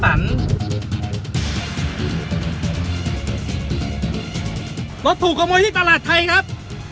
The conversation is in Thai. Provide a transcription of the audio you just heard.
ถูกขโมยที่ตลาดไทยครับ